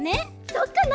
そっかな！